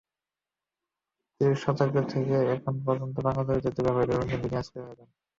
ত্রিশের দশক থেকে এখন পর্যন্ত বাংলা চলচ্চিত্রে ব্যবহৃত রবীন্দ্রসংগীত নিয়ে আজকের আয়োজন।